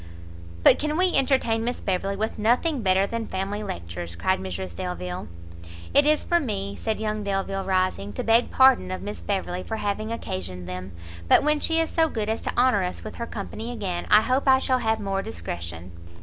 "But can we entertain Miss Beverley with nothing better than family lectures?" cried Mrs Delvile. "It is for me," said young Delvile, rising, "to beg pardon of Miss Beverley for having occasioned them: but when she is so good as to honour us with her company again, I hope I shall have more discretion."